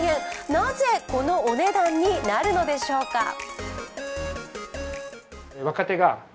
なぜこのお値段になるのでしょうか。